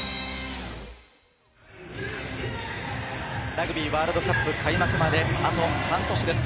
ラグビーワールドカップ開幕まであと半年です。